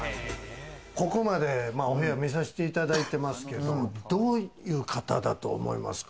ここまでお部屋、見させていただいてますけど、どういう方だと思いますか？